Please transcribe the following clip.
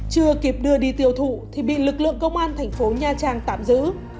chưa kịp đưa đi tiêu thụ thì bị lực lượng công an thành phố nha trang tạm giữ